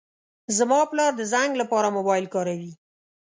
زما پلار د زنګ لپاره موبایل کاروي.